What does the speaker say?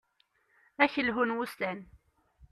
Ad ak-lhun wussan.